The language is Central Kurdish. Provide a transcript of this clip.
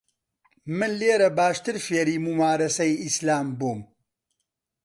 من لێرە باشتر فێری مومارەسەی ئیسلام بووم.